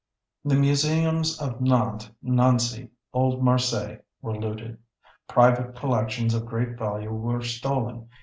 _ The museums of Nantes, Nancy, Old Marseilles were looted. Private collections of great value were stolen.